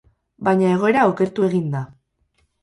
Baina egoera okertu egin da.